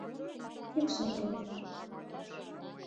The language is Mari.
Кӱсото...